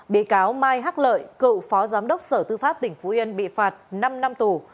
bị cáo mai hắc lợi cựu phó giám đốc sở tư pháp tỉnh phú yên bị phạt năm năm tù